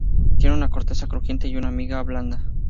Tiene una corteza crujiente y una miga blanda.